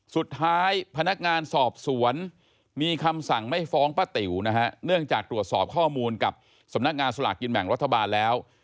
สุดท้ายพนักงานสอบสวนมีคำสั่งไม่ฟ้องป้าติ๋วนะฮะเนื่องจากตรวจสอบข้อมูลกับสำนักงานสลากกินแบ่งรัฐบาลแล้ว